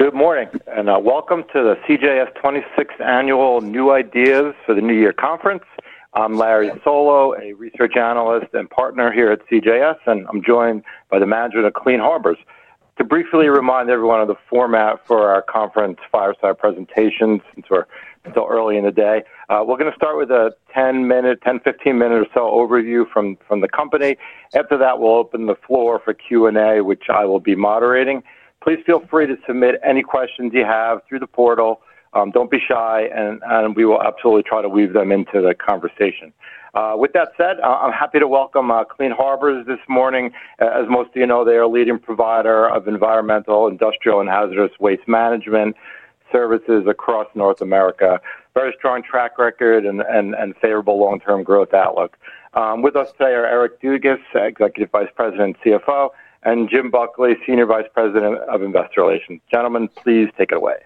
Good morning and welcome to the CJS 26th Annual "New Ideas for the New Year" Conference. I'm Larry Solow, a research analyst and partner here at CJS, and I'm joined by the management of Clean Harbors. To briefly remind everyone of the format for our conference fireside presentations until early in the day, we're going to start with a 10-minute, 10-15 minute or so overview from the company. After that, we'll open the floor for Q&A, which I will be moderating. Please feel free to submit any questions you have through the portal. Don't be shy, and we will absolutely try to weave them into the conversation. With that said, I'm happy to welcome Clean Harbors this morning. As most of you know, they are a leading provider of environmental, industrial, and hazardous waste management services across North America. Very strong track record and favorable long-term growth outlook. With us today are Eric Dugas, Executive Vice President and CFO, and Jim Buckley, Senior Vice President of Investor Relations. Gentlemen, please take it away.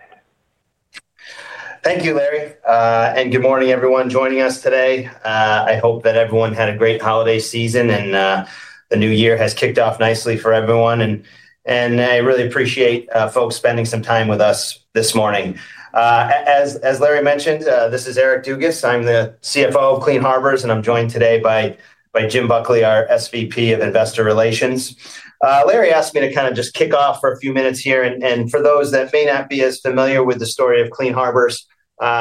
Thank you, Larry, and good morning everyone joining us today. I hope that everyone had a great holiday season and the new year has kicked off nicely for everyone. And I really appreciate folks spending some time with us this morning. As Larry mentioned, this is Eric Dugas. I'm the CFO of Clean Harbors, and I'm joined today by Jim Buckley, our SVP of Investor Relations. Larry asked me to kind of just kick off for a few minutes here, and for those that may not be as familiar with the story of Clean Harbors,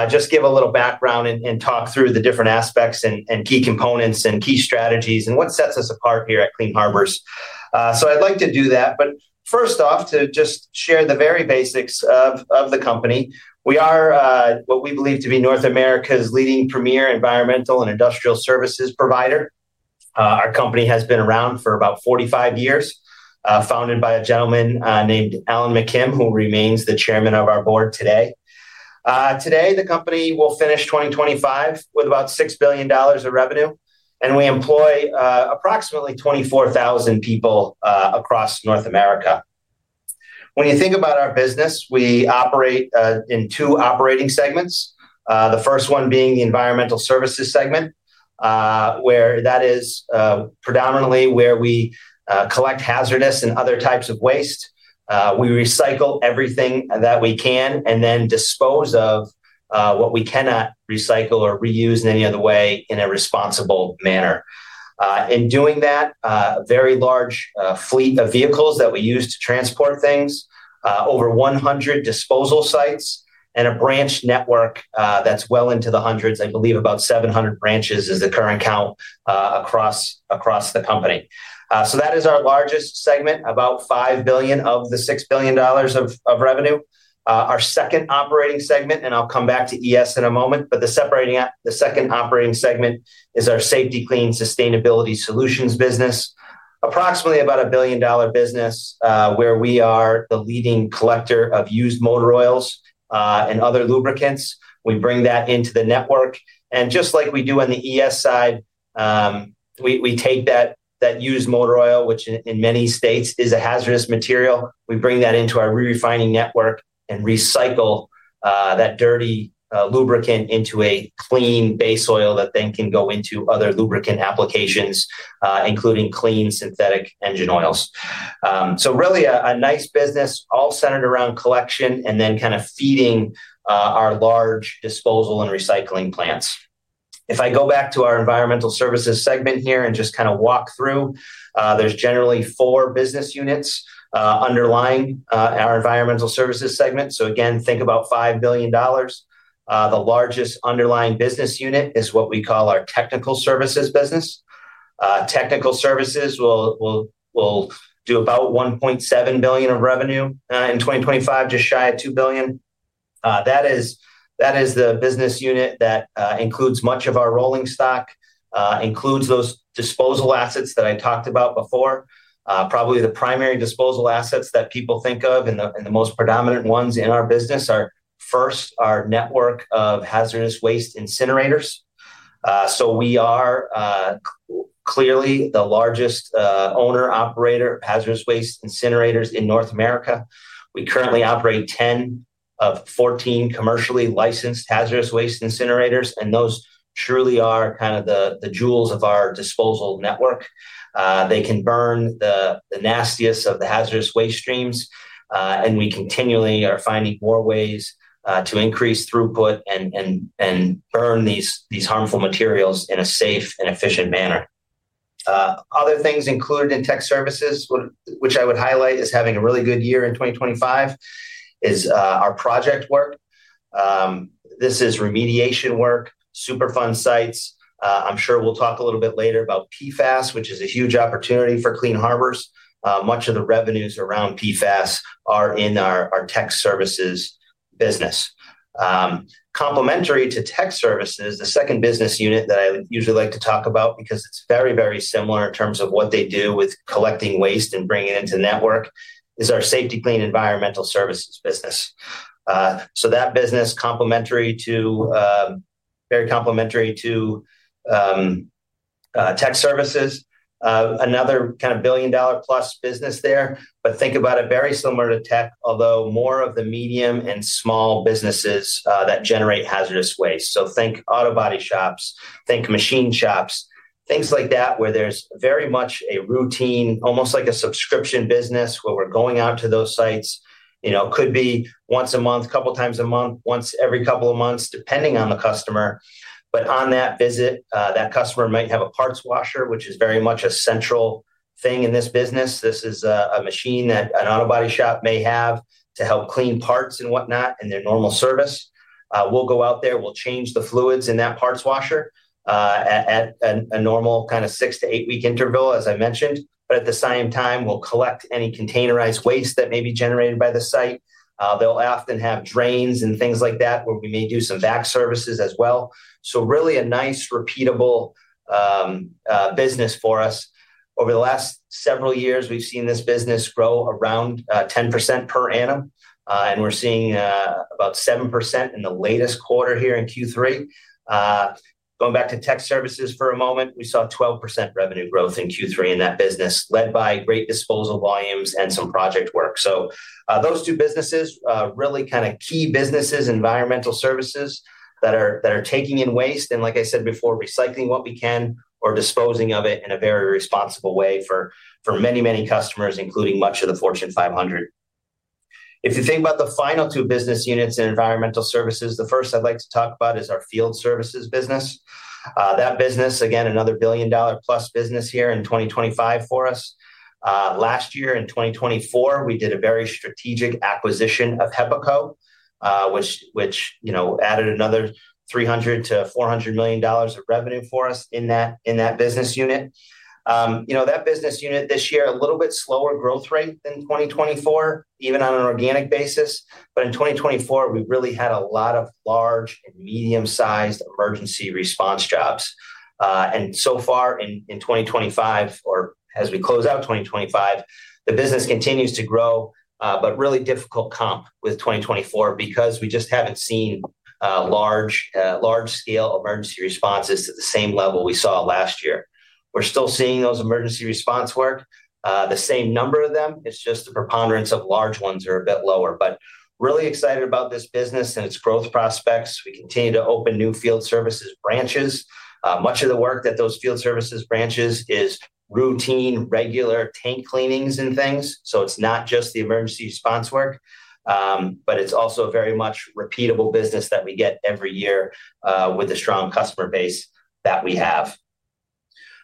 just give a little background and talk through the different aspects and key components and key strategies and what sets us apart here at Clean Harbors. So I'd like to do that. But first off, to just share the very basics of the company. We are what we believe to be North America's leading premier environmental and industrial services provider. Our company has been around for about 45 years, founded by a gentleman named Alan McKim, who remains the chairman of our board today. Today, the company will finish 2025 with about $6 billion of revenue, and we employ approximately 24,000 people across North America. When you think about our business, we operate in two operating segments. The first one being the environmental services segment, where that is predominantly where we collect hazardous and other types of waste. We recycle everything that we can and then dispose of what we cannot recycle or reuse in any other way in a responsible manner. In doing that, a very large fleet of vehicles that we use to transport things, over 100 disposal sites, and a branch network that's well into the hundreds. I believe about 700 branches is the current count across the company, so that is our largest segment, about $5 billion of the $6 billion of revenue. Our second operating segment, and I'll come back to ES in a moment, but the second operating segment is our Safety-Kleen Sustainability Solutions business. Approximately a $1 billion business where we are the leading collector of used motor oils and other lubricants. We bring that into the network, and just like we do on the ES side, we take that used motor oil, which in many states is a hazardous material. We bring that into our refining network and recycle that dirty lubricant into a clean base oil that then can go into other lubricant applications, including clean synthetic engine oils. It's really a nice business, all centered around collection and then kind of feeding our large disposal and recycling plants. If I go back to our environmental services segment here and just kind of walk through, there's generally four business units underlying our environmental services segment. Again, think about $5 billion. The largest underlying business unit is what we call our technical services business. Technical services will do about $1.7 billion of revenue in 2025, just shy of $2 billion. That is the business unit that includes much of our rolling stock, includes those disposal assets that I talked about before. Probably the primary disposal assets that people think of and the most predominant ones in our business are first, our network of hazardous waste incinerators. We are clearly the largest owner, operator of hazardous waste incinerators in North America. We currently operate 10 of 14 commercially licensed hazardous waste incinerators, and those truly are kind of the jewels of our disposal network. They can burn the nastiest of the hazardous waste streams, and we continually are finding more ways to increase throughput and burn these harmful materials in a safe and efficient manner. Other things included in tech services, which I would highlight as having a really good year in 2025, is our project work. This is remediation work, Superfund sites. I'm sure we'll talk a little bit later about PFAS, which is a huge opportunity for Clean Harbors. Much of the revenues around PFAS are in our tech services business. Complementary to tech services, the second business unit that I usually like to talk about because it's very, very similar in terms of what they do with collecting waste and bringing it into the network, is our Safety-Kleen Environmental Services business. So that business, complementary to tech services, another kind of billion dollar plus business there, but think about it very similar to tech, although more of the medium and small businesses that generate hazardous waste. So think auto body shops, think machine shops, things like that where there's very much a routine, almost like a subscription business where we're going out to those sites. It could be once a month, a couple of times a month, once every couple of months, depending on the customer. But on that visit, that customer might have a parts washer, which is very much a central thing in this business. This is a machine that an auto body shop may have to help clean parts and whatnot in their normal service. We'll go out there, we'll change the fluids in that parts washer at a normal kind of six- to eight-week interval, as I mentioned. But at the same time, we'll collect any containerized waste that may be generated by the site. They'll often have drains and things like that where we may do some back services as well. So really a nice repeatable business for us. Over the last several years, we've seen this business grow around 10% per annum, and we're seeing about 7% in the latest quarter here in Q3. Going back to tech services for a moment, we saw 12% revenue growth in Q3 in that business led by great disposal volumes and some project work. So those two businesses are really kind of key businesses, environmental services that are taking in waste and, like I said before, recycling what we can or disposing of it in a very responsible way for many, many customers, including much of the Fortune 500. If you think about the final two business units in environmental services, the first I'd like to talk about is our field services business. That business, again, another billion dollar plus business here in 2025 for us. Last year in 2024, we did a very strategic acquisition of HEPACO, which added another $300-$400 million of revenue for us in that business unit. That business unit this year, a little bit slower growth rate than 2024, even on an organic basis. But in 2024, we really had a lot of large and medium-sized emergency response jobs. And so far in 2025, or as we close out 2025, the business continues to grow, but really difficult comp with 2024 because we just haven't seen large-scale emergency responses to the same level we saw last year. We're still seeing those emergency response work. The same number of them, it's just the preponderance of large ones are a bit lower. But really excited about this business and its growth prospects. We continue to open new field services branches. Much of the work that those field services branches is routine, regular tank cleanings and things. So it's not just the emergency response work, but it's also a very much repeatable business that we get every year with a strong customer base that we have.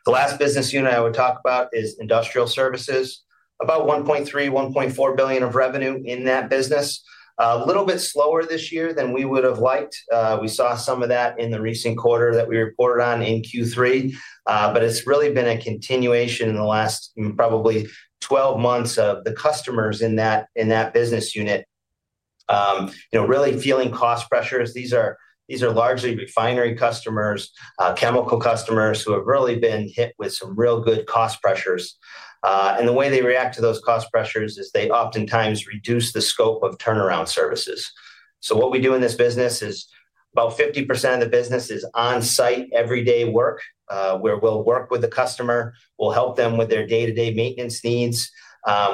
The last business unit I would talk about is industrial services, about $1.3-$1.4 billion of revenue in that business. A little bit slower this year than we would have liked. We saw some of that in the recent quarter that we reported on in Q3, but it's really been a continuation in the last probably 12 months of the customers in that business unit really feeling cost pressures. These are largely refinery customers, chemical customers who have really been hit with some real good cost pressures. And the way they react to those cost pressures is they oftentimes reduce the scope of turnaround services. What we do in this business is about 50% of the business on-site every day work where we'll work with the customer. We'll help them with their day-to-day maintenance needs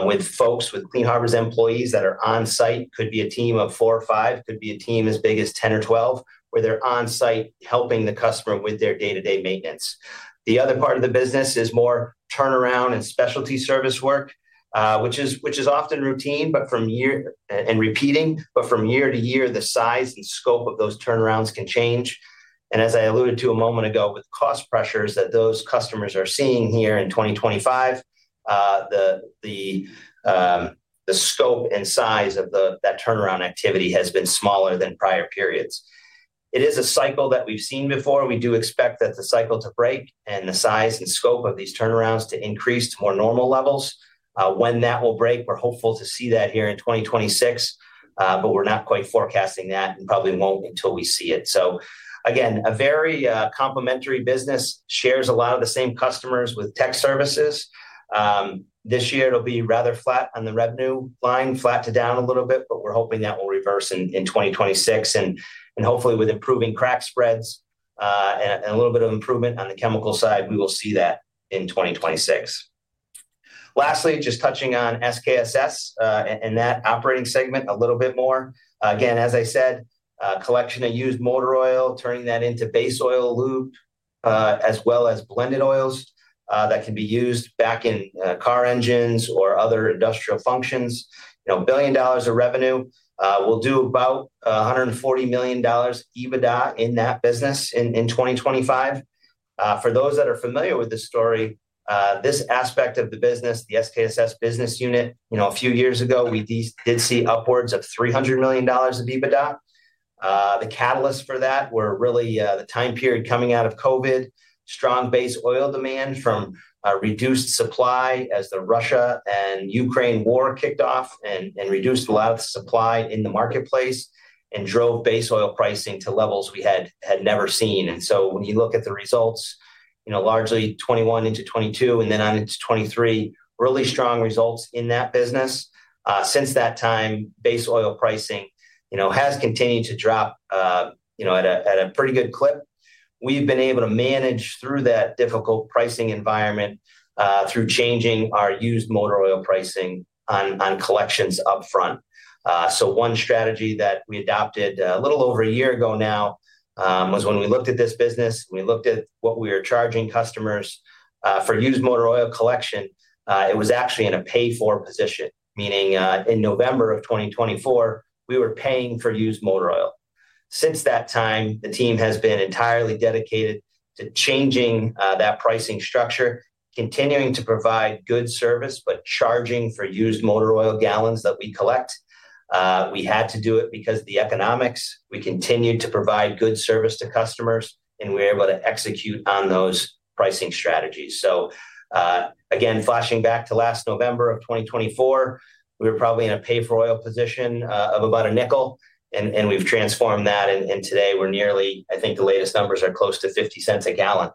with folks, with Clean Harbors employees that are on-site. Could be a team of four or five, could be a team as big as 10 or 12 where they're on-site helping the customer with their day-to-day maintenance. The other part of the business is more turnaround and specialty service work, which is often routine and repeating, but from year to year, the size and scope of those turnarounds can change. As I alluded to a moment ago with cost pressures that those customers are seeing here in 2025, the scope and size of that turnaround activity has been smaller than prior periods. It is a cycle that we've seen before. We do expect that the cycle to break and the size and scope of these turnarounds to increase to more normal levels. When that will break, we're hopeful to see that here in 2026, but we're not quite forecasting that and probably won't until we see it. So again, a very complementary business shares a lot of the same customers with tech services. This year, it'll be rather flat on the revenue line, flat to down a little bit, but we're hoping that will reverse in 2026. And hopefully with improving crack spreads and a little bit of improvement on the chemical side, we will see that in 2026. Lastly, just touching on SKSS and that operating segment a little bit more. Again, as I said, collection of used motor oil, turning that into base oil lube, as well as blended oils that can be used back in car engines or other industrial functions. Billion dollars of revenue. We'll do about $140 million EBITDA in that business in 2025. For those that are familiar with the story, this aspect of the business, the SKSS business unit, a few years ago, we did see upwards of $300 million of EBITDA. The catalyst for that were really the time period coming out of COVID, strong base oil demand from reduced supply as the Russia and Ukraine war kicked off and reduced a lot of supply in the marketplace and drove base oil pricing to levels we had never seen. And so when you look at the results, largely 2021 into 2022 and then on into 2023, really strong results in that business. Since that time, base oil pricing has continued to drop at a pretty good clip. We've been able to manage through that difficult pricing environment through changing our used motor oil pricing on collections upfront. So one strategy that we adopted a little over a year ago now was when we looked at this business, we looked at what we were charging customers for used motor oil collection, it was actually in a pay-for position, meaning in November of 2024, we were paying for used motor oil. Since that time, the team has been entirely dedicated to changing that pricing structure, continuing to provide good service, but charging for used motor oil gallons that we collect. We had to do it because of the economics. We continued to provide good service to customers, and we were able to execute on those pricing strategies. Again, flashing back to last November of 2024, we were probably in a pay-for oil position of about $0.05, and we've transformed that. Today, we're nearly. I think the latest numbers are close to $0.50 a gallon.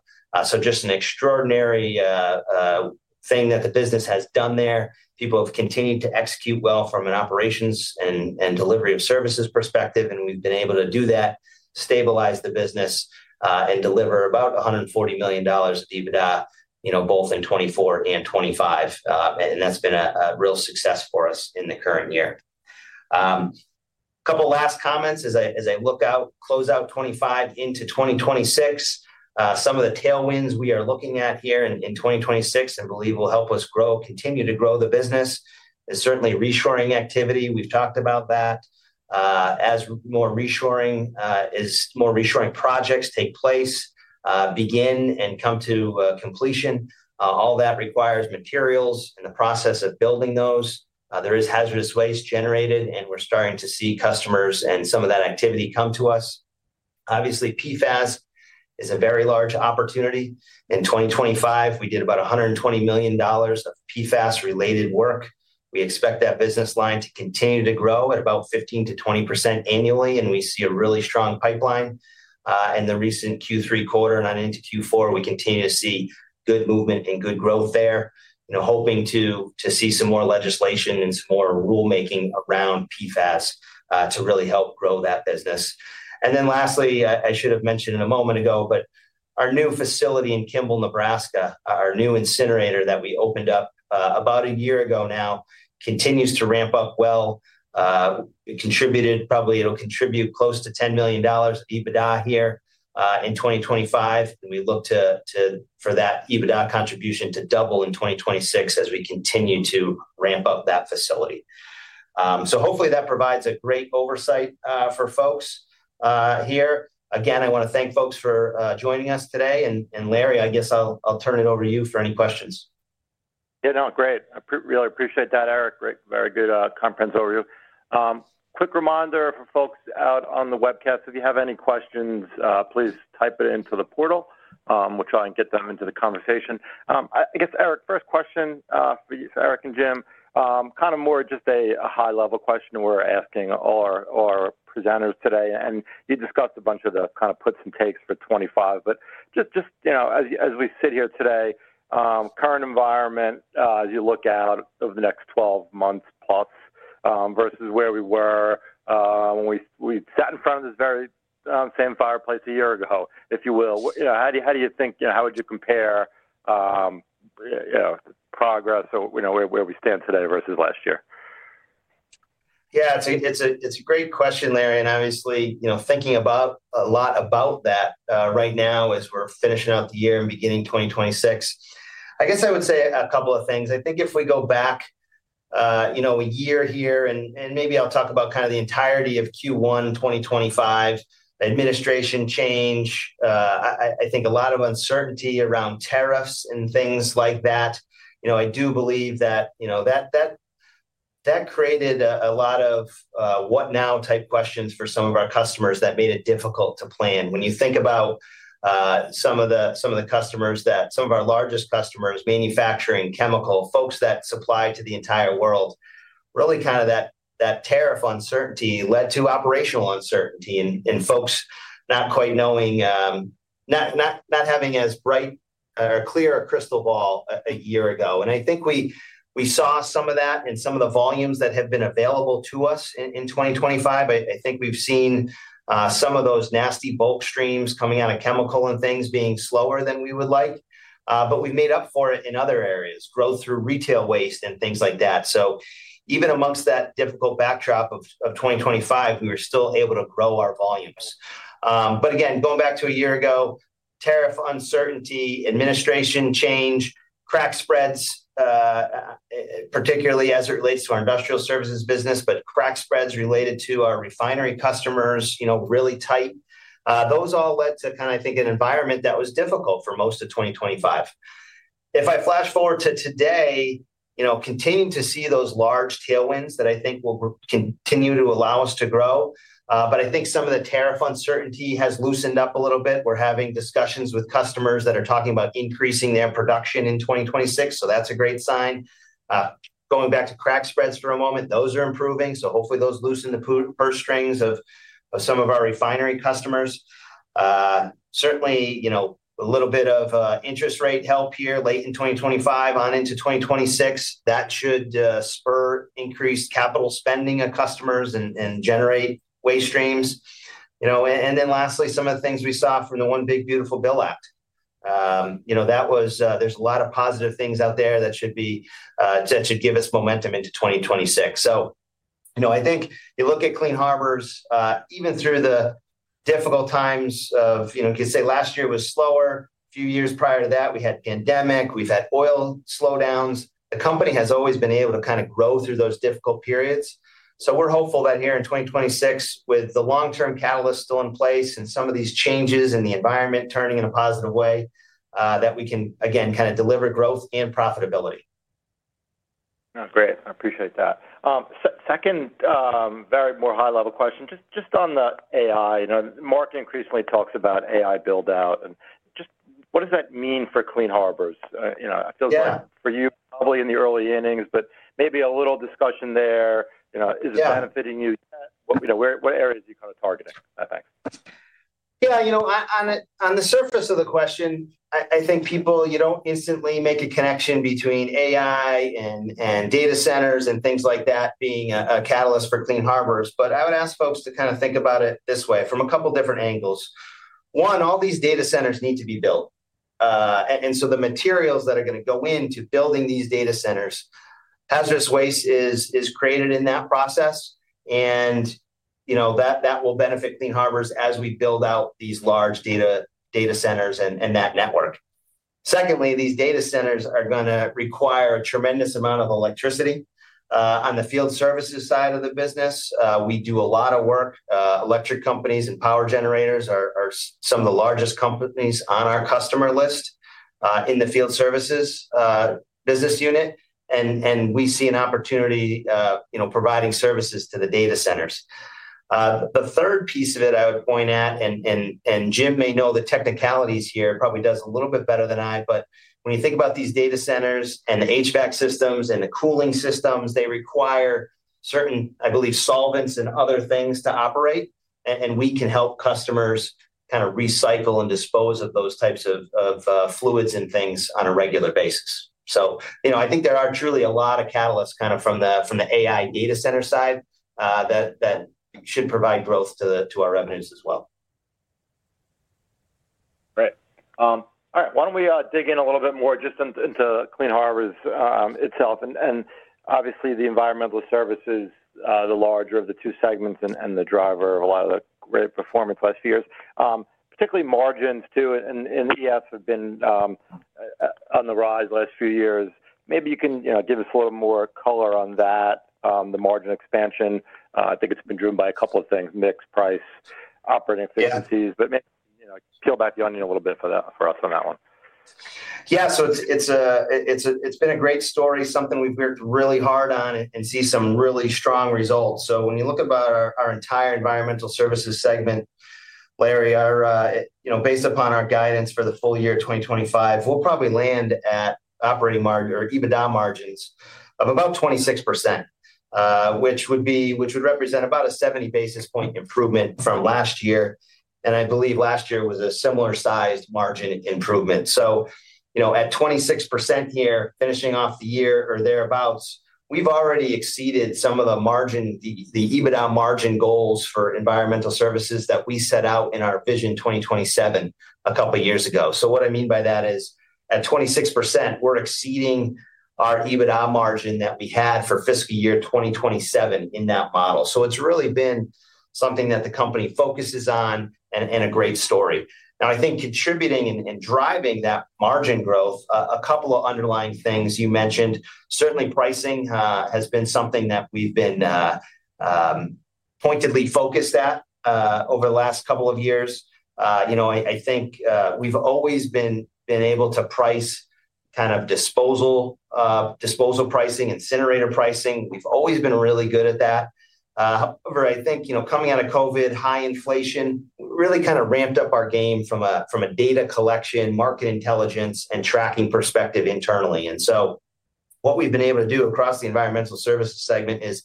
Just an extraordinary thing that the business has done there. People have continued to execute well from an operations and delivery of services perspective, and we've been able to do that, stabilize the business, and deliver about $140 million of EBITDA both in 2024 and 2025. That's been a real success for us in the current year. A couple of last comments as I look out, close out 2025 into 2026. Some of the tailwinds we are looking at here in 2026 and believe will help us grow, continue to grow the business is certainly reshoring activity. We've talked about that. As more reshoring projects take place, begin, and come to completion, all that requires materials and the process of building those. There is hazardous waste generated, and we're starting to see customers and some of that activity come to us. Obviously, PFAS is a very large opportunity. In 2025, we did about $120 million of PFAS-related work. We expect that business line to continue to grow at about 15%-20% annually, and we see a really strong pipeline. In the recent Q3 quarter and on into Q4, we continue to see good movement and good growth there, hoping to see some more legislation and some more rulemaking around PFAS to really help grow that business. And then lastly, I should have mentioned it a moment ago, but our new facility in Kimball, Nebraska, our new incinerator that we opened up about a year ago now continues to ramp up well. It contributed, probably it'll contribute close to $10 million of EBITDA here in 2025. And we look to for that EBITDA contribution to double in 2026 as we continue to ramp up that facility. So hopefully that provides a great oversight for folks here. Again, I want to thank folks for joining us today. And Larry, I guess I'll turn it over to you for any questions. Yeah, no, great. I really appreciate that, Eric. Very good comprehensive overview. Quick reminder for folks out on the webcast, if you have any questions, please type it into the portal, which I'll get them into the conversation. I guess, Eric, first question for you, Eric and Jim, kind of more just a high-level question we're asking our presenters today. And you discussed a bunch of the kind of puts and takes for 2025, but just as we sit here today, current environment, as you look out over the next 12 months plus versus where we were when we sat in front of this very same fireplace a year ago, if you will, how do you think, how would you compare progress or where we stand today versus last year? Yeah, it's a great question, Larry. Obviously, thinking a lot about that right now as we're finishing out the year and beginning 2026, I guess I would say a couple of things. I think if we go back a year here, and maybe I'll talk about kind of the entirety of Q1 2025, administration change, I think a lot of uncertainty around tariffs and things like that. I do believe that that created a lot of what-now type questions for some of our customers that made it difficult to plan. When you think about some of the customers that some of our largest customers, manufacturing, chemical, folks that supply to the entire world, really kind of that tariff uncertainty led to operational uncertainty and folks not quite knowing, not having as bright or clear a crystal ball a year ago. And I think we saw some of that in some of the volumes that have been available to us in 2025. I think we've seen some of those nasty bulk streams coming out of chemical and things being slower than we would like, but we've made up for it in other areas, growth through retail waste and things like that. So even among that difficult backdrop of 2025, we were still able to grow our volumes. But again, going back to a year ago, tariff uncertainty, administration change, crack spreads, particularly as it relates to our industrial services business, but crack spreads related to our refinery customers, really tight. Those all led to kind of, I think, an environment that was difficult for most of 2025. If I flash forward to today, continuing to see those large tailwinds that I think will continue to allow us to grow. But I think some of the tariff uncertainty has loosened up a little bit. We're having discussions with customers that are talking about increasing their production in 2026. So that's a great sign. Going back to crack spreads for a moment, those are improving. So hopefully those loosen the purse strings of some of our refinery customers. Certainly, a little bit of interest rate help here late in 2025 on into 2026. That should spur increased capital spending of customers and generate waste streams. And then lastly, some of the things we saw from the One, Big, Beautiful Bill Act. There's a lot of positive things out there that should give us momentum into 2026. So I think you look at Clean Harbors, even through the difficult times of, you could say last year was slower. A few years prior to that, we had pandemic. We've had oil slowdowns. The company has always been able to kind of grow through those difficult periods. So we're hopeful that here in 2026, with the long-term catalyst still in place and some of these changes in the environment turning in a positive way, that we can, again, kind of deliver growth and profitability. Great. I appreciate that. Second, a very high-level question. Just on the AI, market increasingly talks about AI build-out. And just what does that mean for Clean Harbors? I feel like for you, probably in the early innings, but maybe a little discussion there. Is it benefiting you? What areas are you kind of targeting? Yeah. On the surface of the question, I think people don't instantly make a connection between AI and data centers and things like that being a catalyst for Clean Harbors. But I would ask folks to kind of think about it this way from a couple of different angles. One, all these data centers need to be built. And so the materials that are going to go into building these data centers, hazardous waste is created in that process. And that will benefit Clean Harbors as we build out these large data centers and that network. Secondly, these data centers are going to require a tremendous amount of electricity. On the field services side of the business, we do a lot of work. Electric companies and power generators are some of the largest companies on our customer list in the field services business unit. And we see an opportunity providing services to the data centers. The third piece of it I would point at, and Jim may know the technicalities here, probably does a little bit better than I, but when you think about these data centers and the HVAC systems and the cooling systems, they require certain, I believe, solvents and other things to operate, and we can help customers kind of recycle and dispose of those types of fluids and things on a regular basis, so I think there are truly a lot of catalysts kind of from the AI data center side that should provide growth to our revenues as well. Great. All right. Why don't we dig in a little bit more just into Clean Harbors itself? And obviously, the environmental services, the larger of the two segments and the driver of a lot of the great performance last few years, particularly margins too, and EBITDA have been on the rise last few years. Maybe you can give us a little more color on that, the margin expansion. I think it's been driven by a couple of things, mix, price, operating efficiencies, but maybe peel back the onion a little bit for us on that one. Yeah. So it's been a great story, something we've worked really hard on and see some really strong results. So when you look about our entire environmental services segment, Larry, based upon our guidance for the full year 2025, we'll probably land at operating margin or EBITDA margins of about 26%, which would represent about a 70 basis points improvement from last year. I believe last year was a similar-sized margin improvement. So at 26% here, finishing off the year or thereabouts, we've already exceeded some of the margin, the EBITDA margin goals for environmental services that we set out in our Vision 2027 a couple of years ago. So what I mean by that is at 26%, we're exceeding our EBITDA margin that we had for fiscal year 2027 in that model. So it's really been something that the company focuses on and a great story. Now, I think contributing and driving that margin growth, a couple of underlying things you mentioned. Certainly, pricing has been something that we've been pointedly focused at over the last couple of years. I think we've always been able to price kind of disposal pricing, incinerator pricing. We've always been really good at that. However, I think coming out of COVID, high inflation really kind of ramped up our game from a data collection, market intelligence, and tracking perspective internally. And so what we've been able to do across the environmental services segment is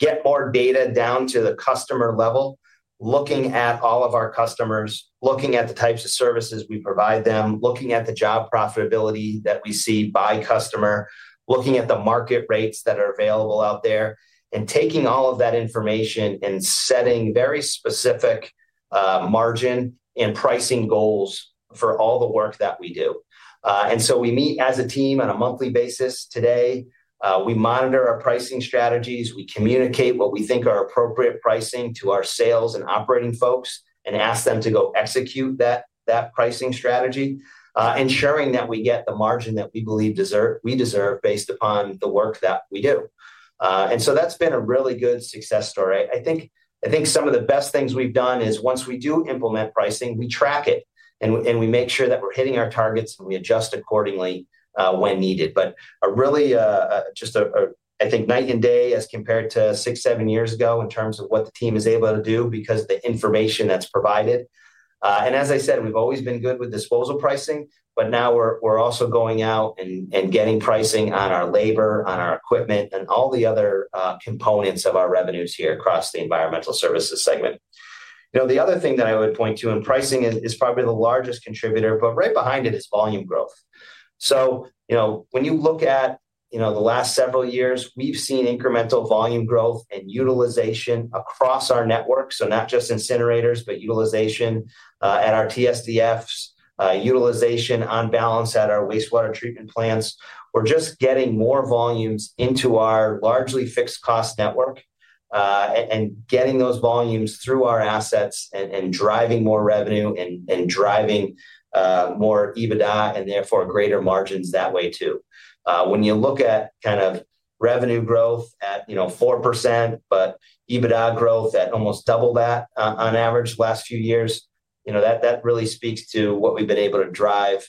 get more data down to the customer level, looking at all of our customers, looking at the types of services we provide them, looking at the job profitability that we see by customer, looking at the market rates that are available out there, and taking all of that information and setting very specific margin and pricing goals for all the work that we do, and so we meet as a team on a monthly basis today. We monitor our pricing strategies. We communicate what we think are appropriate pricing to our sales and operating folks and ask them to go execute that pricing strategy, ensuring that we get the margin that we believe we deserve based upon the work that we do. And so that's been a really good success story. I think some of the best things we've done is once we do implement pricing, we track it and we make sure that we're hitting our targets and we adjust accordingly when needed. But really, just I think night and day as compared to six, seven years ago in terms of what the team is able to do because of the information that's provided. And as I said, we've always been good with disposal pricing, but now we're also going out and getting pricing on our labor, on our equipment, and all the other components of our revenues here across the environmental services segment. The other thing that I would point to in pricing is probably the largest contributor, but right behind it is volume growth. So when you look at the last several years, we've seen incremental volume growth and utilization across our network. So not just incinerators, but utilization at our TSDFs, utilization on balance at our wastewater treatment plants. We're just getting more volumes into our largely fixed cost network and getting those volumes through our assets and driving more revenue and driving more EBITDA and therefore greater margins that way too. When you look at kind of revenue growth at 4%, but EBITDA growth at almost double that on average last few years, that really speaks to what we've been able to drive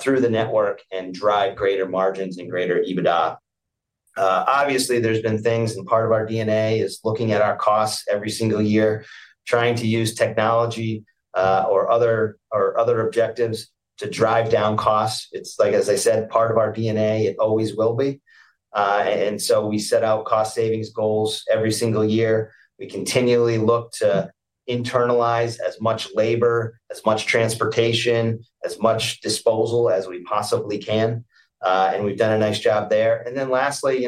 through the network and drive greater margins and greater EBITDA. Obviously, there's been things and part of our DNA is looking at our costs every single year, trying to use technology or other objectives to drive down costs. It's like, as I said, part of our DNA, it always will be. And so we set out cost savings goals every single year. We continually look to internalize as much labor, as much transportation, as much disposal as we possibly can. And we've done a nice job there. And then lastly,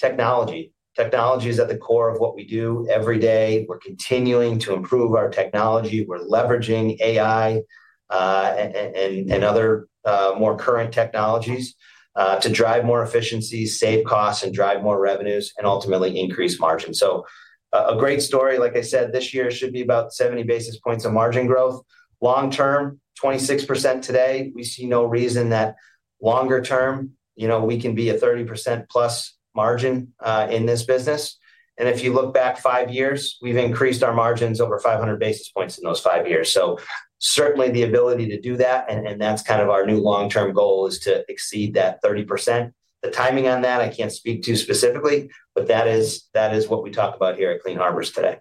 technology. Technology is at the core of what we do every day. We're continuing to improve our technology. We're leveraging AI and other more current technologies to drive more efficiencies, save costs, and drive more revenues, and ultimately increase margins. So a great story. Like I said, this year should be about 70 basis points of margin growth. Long term, 26% today. We see no reason that longer term we can be a 30% plus margin in this business. And if you look back five years, we've increased our margins over 500 basis points in those five years. So certainly the ability to do that, and that's kind of our new long-term goal is to exceed that 30%. The timing on that, I can't speak to specifically, but that is what we talk about here at Clean Harbors today.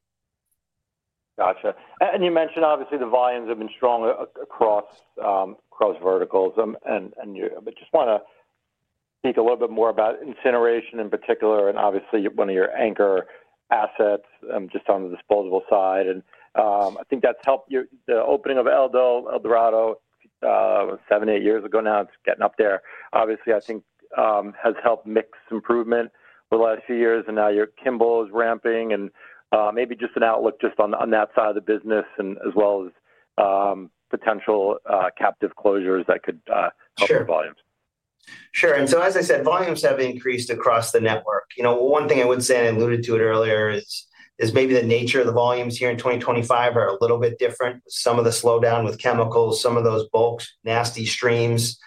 Gotcha. And you mentioned, obviously, the volumes have been strong across verticals. And I just want to speak a little bit more about incineration in particular, and obviously one of your anchor assets just on the disposable side. I think that's helped the opening of El Dorado seven, eight years ago now. It's getting up there. Obviously, I think has helped mix improvement over the last few years. And now your Kimball is ramping. And maybe just an outlook just on that side of the business and as well as potential captive closures that could help the volumes. Sure. And so, as I said, volumes have increased across the network. One thing I would say, and I alluded to it earlier, is maybe the nature of the volumes here in 2025 are a little bit different with some of the slowdown with chemicals, some of those bulk, nasty streams,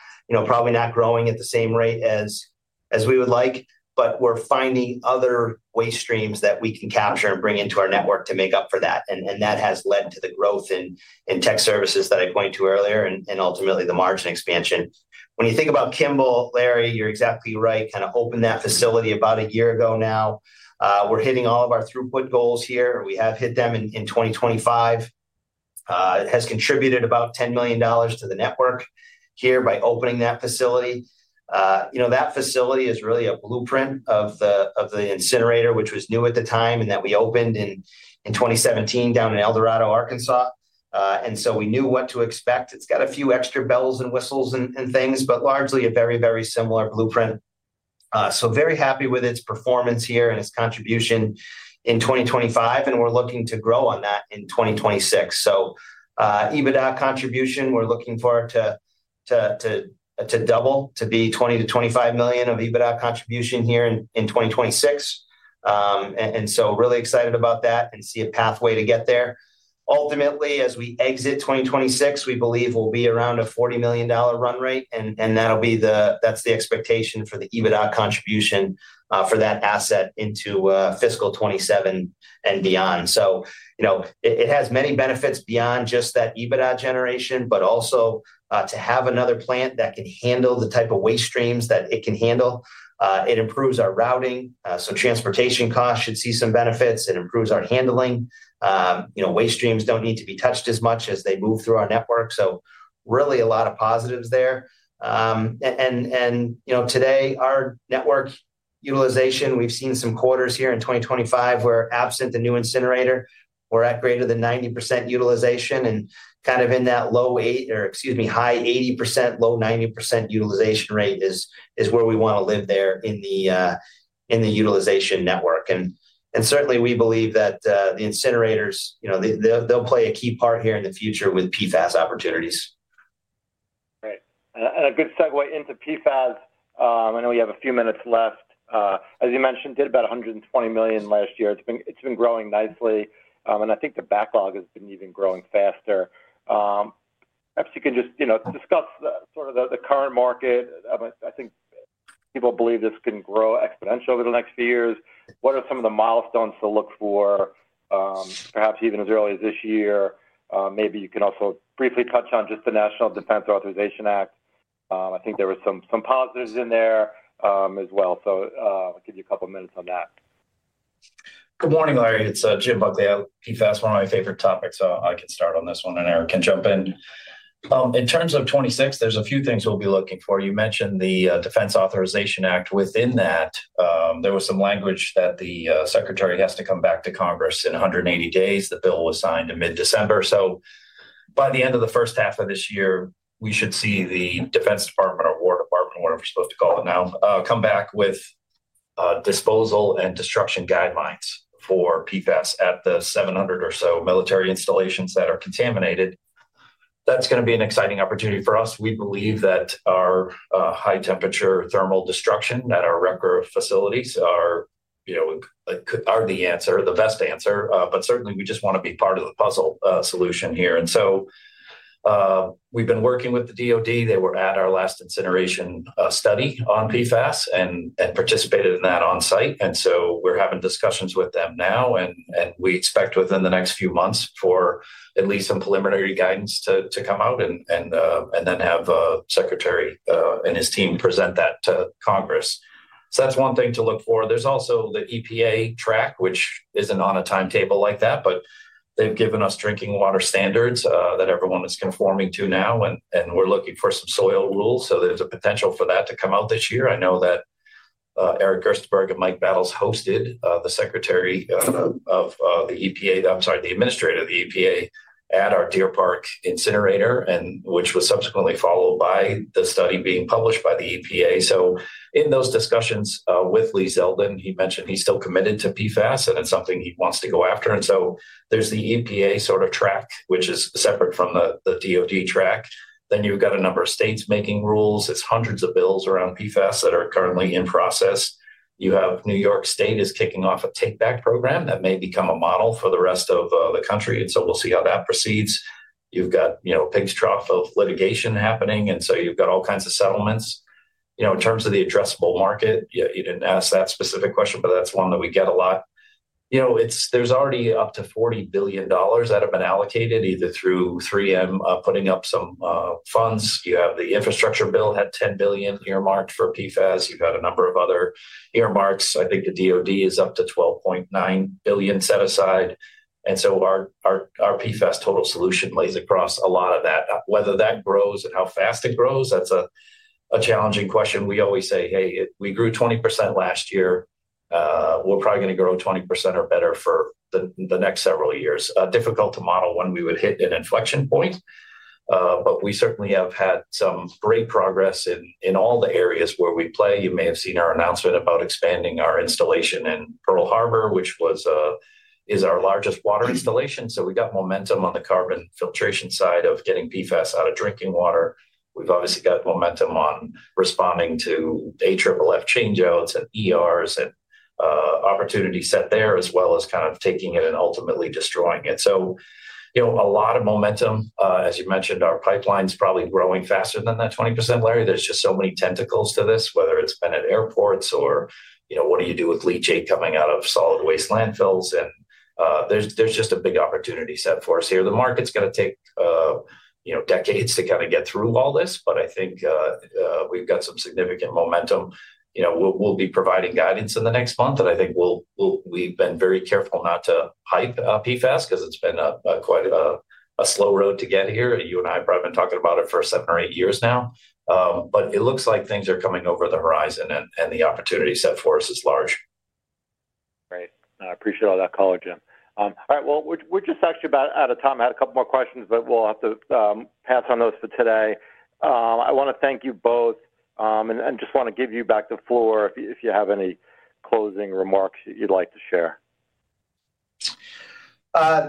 probably not growing at the same rate as we would like, but we're finding other waste streams that we can capture and bring into our network to make up for that. And that has led to the growth in tech services that I point to earlier and ultimately the margin expansion. When you think about Kimball, Larry, you're exactly right, kind of opened that facility about a year ago now. We're hitting all of our throughput goals here. We have hit them in 2025. It has contributed about $10 million to the network here by opening that facility. That facility is really a blueprint of the incinerator, which was new at the time and that we opened in 2017 down in El Dorado, Arkansas, and so we knew what to expect. It's got a few extra bells and whistles and things, but largely a very, very similar blueprint, so very happy with its performance here and its contribution in 2025, and we're looking to grow on that in 2026, so EBITDA contribution, we're looking for it to double to be $20-$25 million of EBITDA contribution here in 2026, and so really excited about that and see a pathway to get there. Ultimately, as we exit 2026, we believe we'll be around a $40 million run rate, and that'll be the expectation for the EBITDA contribution for that asset into fiscal 2027 and beyond. So it has many benefits beyond just that EBITDA generation, but also to have another plant that can handle the type of waste streams that it can handle. It improves our routing. So transportation costs should see some benefits. It improves our handling. Waste streams don't need to be touched as much as they move through our network. So really a lot of positives there. And today, our network utilization, we've seen some quarters here in 2025 where absent the new incinerator, we're at greater than 90% utilization and kind of in that low 80% or excuse me, high 80%, low 90% utilization rate is where we want to live there in the utilization network. And certainly, we believe that the incinerators, they'll play a key part here in the future with PFAS opportunities. Right. And a good segue into PFAS. I know we have a few minutes left. As you mentioned, we did about $120 million last year. It's been growing nicely, and I think the backlog has been even growing faster. Perhaps you can just discuss sort of the current market. I think people believe this can grow exponentially over the next few years. What are some of the milestones to look for, perhaps even as early as this year? Maybe you can also briefly touch on just the National Defense Authorization Act. I think there were some positives in there as well. So I'll give you a couple of minutes on that. Good morning, Larry. It's Jim Buckley at PFAS, one of my favorite topics. So I can start on this one and Eric can jump in. In terms of 2026, there's a few things we'll be looking for. You mentioned the Defense Authorization Act within that. There was some language that the secretary has to come back to Congress in 180 days. The bill was signed in mid-December, so by the end of the first half of this year, we should see the Defense Department or War Department, whatever we're supposed to call it now, come back with disposal and destruction guidelines for PFAS at the 700 or so military installations that are contaminated. That's going to be an exciting opportunity for us. We believe that our high temperature thermal destruction at our incinerator facilities are the answer, the best answer, but certainly, we just want to be part of the puzzle solution here, and so we've been working with the DOD. They were at our last incineration study on PFAS and participated in that on site. And so we're having discussions with them now, and we expect within the next few months for at least some preliminary guidance to come out and then have Secretary and his team present that to Congress. So that's one thing to look for. There's also the EPA track, which isn't on a timetable like that, but they've given us drinking water standards that everyone is conforming to now, and we're looking for some soil rules. So there's a potential for that to come out this year. I know that Eric Gerstenberg and Mike Battles hosted the Secretary of the EPA, I'm sorry, the Administrator of the EPA at our Deer Park incinerator, which was subsequently followed by the study being published by the EPA. So in those discussions with Lee Zeldin, he mentioned he's still committed to PFAS, and it's something he wants to go after. And so there's the EPA sort of track, which is separate from the DOD track. Then you've got a number of states making rules. It's hundreds of bills around PFAS that are currently in process. You have New York State kicking off a take-back program that may become a model for the rest of the country. And so we'll see how that proceeds. You've got a big trough of litigation happening, and so you've got all kinds of settlements. In terms of the addressable market, you didn't ask that specific question, but that's one that we get a lot. There's already up to $40 billion that have been allocated either through 3M putting up some funds. You have the Infrastructure Bill had $10 billion earmarked for PFAS. You've had a number of other earmarks. I think the DOD is up to $12.9 billion set aside. And so our PFAS total solution lays across a lot of that. Whether that grows and how fast it grows, that's a challenging question. We always say, "Hey, we grew 20% last year. We're probably going to grow 20% or better for the next several years." Difficult to model when we would hit an inflection point, but we certainly have had some great progress in all the areas where we play. You may have seen our announcement about expanding our installation in Pearl Harbor, which is our largest water installation. So we got momentum on the carbon filtration side of getting PFAS out of drinking water. We've obviously got momentum on responding to AFFF changeouts and ERs and opportunity set there, as well as kind of taking it and ultimately destroying it. So a lot of momentum. As you mentioned, our pipeline is probably growing faster than that 20%, Larry. There's just so many tentacles to this, whether it's been at airports or what do you do with leachate coming out of solid waste landfills, and there's just a big opportunity set for us here. The market's going to take decades to kind of get through all this, but I think we've got some significant momentum. We'll be providing guidance in the next month, and I think we've been very careful not to hype PFAS because it's been quite a slow road to get here. You and I have probably been talking about it for seven or eight years now, but it looks like things are coming over the horizon, and the opportunity set for us is large. Great. I appreciate all that color, Jim. All right. Well, we're just actually about out of time. I had a couple more questions, but we'll have to pass on those for today. I want to thank you both and just want to give you back the floor if you have any closing remarks you'd like to share.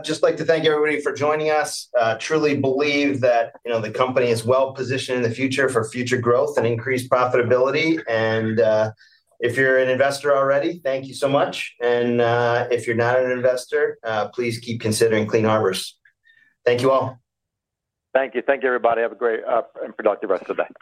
Just like to thank everybody for joining us. Truly believe that the company is well positioned in the future for future growth and increased profitability. And if you're an investor already, thank you so much. And if you're not an investor, please keep considering Clean Harbors. Thank you all. Thank you. Thank you, everybody. Have a great and productive rest of the day.